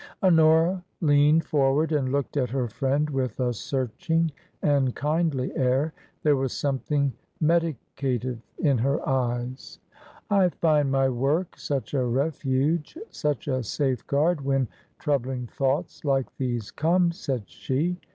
Honora leaned forward and looked at her friend with a searching and kindly air. There was something medi cative in her eyes. " I find my work such a refuge, such a safeguard, when troubling thoughts like these come," said she.